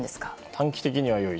短期的には良い。